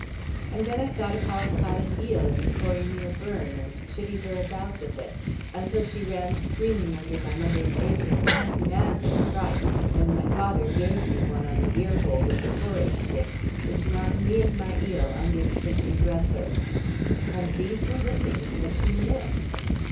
And then I thought of how I caught an eel in the Corriemuir burn and chivied her about with it, until she ran screaming under my mother's apron half mad with fright, and my father gave me one on the ear hole with the porridge stick which knocked me and my eel under the kitchen dresser. And these were the things that she missed!